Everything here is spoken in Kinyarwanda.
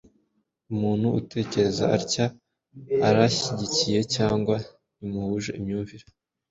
Umuntu utekereza atya uramushyigikiye cyangwa ntimuhuje imyumvire?